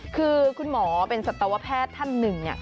คือคุณหมอเป็นสัตวแพทย์ท่านหนึ่ง